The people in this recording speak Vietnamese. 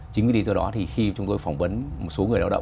chính vì lý do đó thì khi chúng tôi phỏng vấn một số người lao động